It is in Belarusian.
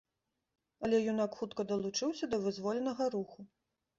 Але юнак хутка далучыўся да вызвольнага руху.